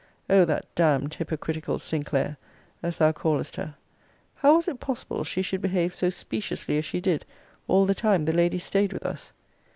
O that damned hypocritical Sinclair, as thou callest her! How was it possible she should behave so speciously as she did all the time the lady staid with us!